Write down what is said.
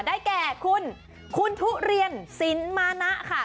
ได้แก่คุณคุณทุเรียนสินมานะค่ะ